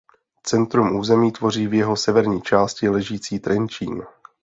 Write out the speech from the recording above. Centrum území tvoří v jeho severní části ležící Trenčín.